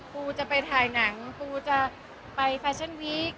ปูจะไปถ่ายหนังปูจะไปแฟชั่นวีค